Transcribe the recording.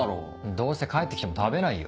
どうせ帰ってきても食べないよ。